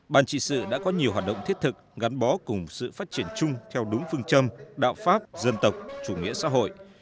ban trị sự đã có nhiều hoạt động thiết thực gắn bó cùng sự phát triển chung theo đúng phương châm đạo pháp dân tộc chủ nghĩa xã hội